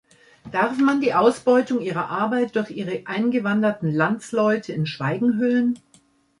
Darf man die Ausbeutung ihrer Arbeit durch ihre eingewanderten Landsleute in Schweigen hüllen?